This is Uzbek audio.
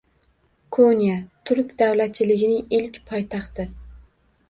Ko‘nya – turk davlatchiligining ilk poytaxti